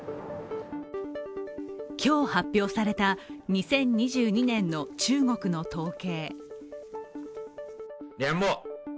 今日、発表された２０２２年の中国の統計。